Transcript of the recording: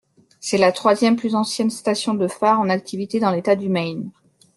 C'est la troisième plus ancienne station de phare en activité dans l'état du Maine.